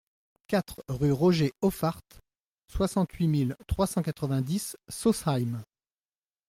quatre rue Roger Hoffarth, soixante-huit mille trois cent quatre-vingt-dix Sausheim